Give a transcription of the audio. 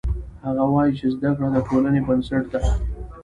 هغه وایي چې زده کړه د ټولنې بنسټ ده